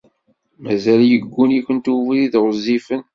Mazal yegguni-kent ubrid ɣezzifen.